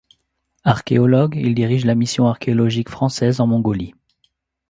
Archéologue, il dirige la Mission archéologique française en Mongolie.